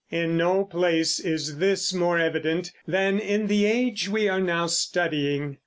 In no place is this more evident than in the age we are now studying.